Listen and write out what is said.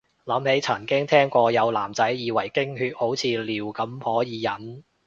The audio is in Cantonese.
諗起曾經聽過有男仔以為經血好似尿咁可以忍